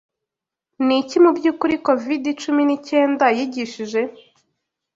Niki mubyukuri covid cumi n'icyenda yigishije?